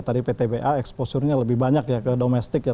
tadi ptba exposure nya lebih banyak ya ke domestik ya